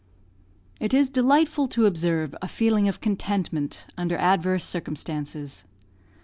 It is delightful to observe a feeling of contentment under adverse circumstances.